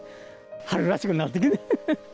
春らしくなってきて。